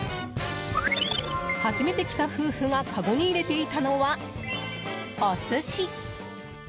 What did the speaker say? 初めて来た夫婦がかごに入れていたのは、お寿司。